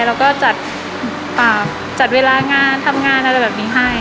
แล้วก็จัดเวลางานทำงานอะไรแบบนี้ให้